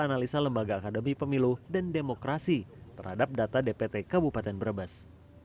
analisa lembaga akademi pemilu dan demokrasi terhadap data dpt kabupaten brebes